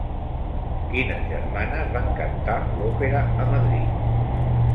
Quines germanes van cantar l'òpera a Madrid?